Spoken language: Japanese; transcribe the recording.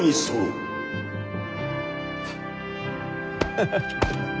ハハハッ！